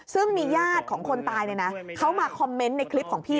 ซึ่งมีญาติของคนตายเขามาคอมเมนต์ในคลิปของพี่